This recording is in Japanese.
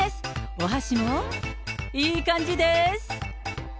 お箸もいい感じです。